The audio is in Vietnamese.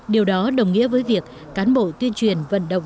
điều đó đồng nghĩa với việc cán bộ tuyên truyền vận động